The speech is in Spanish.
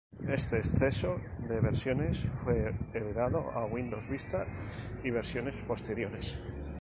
Este exceso de versiones fue heredado a Windows Vista y versiones posteriores.